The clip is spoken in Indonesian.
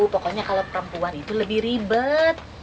pokoknya kalau perempuan itu lebih ribet